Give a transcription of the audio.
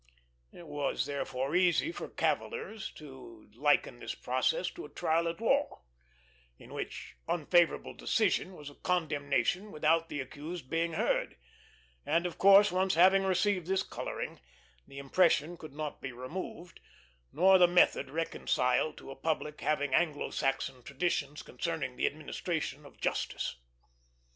It was therefore easy for cavillers to liken this process to a trial at law, in which unfavorable decision was a condemnation without the accused being heard; and, of course, once having received this coloring, the impression could not be removed, nor the method reconciled to a public having Anglo Saxon traditions concerning the administration of justice.